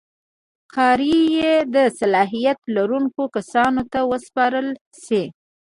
کار یې د صلاحیت لرونکو کسانو ته وسپارل شي.